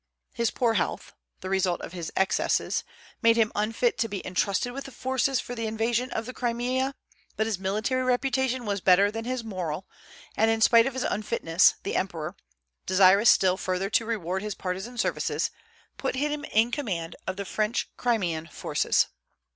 His poor health (the result of his excesses) made him unfit to be intrusted with the forces for the invasion of the Crimea; but his military reputation was better than his moral, and in spite of his unfitness the emperor desirous still further to reward his partisan services put him in command of the French Crimean forces.